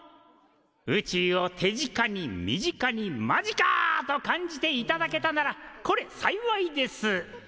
宇宙を手近に身近にマジか！と感じていただけたならこれ幸いです。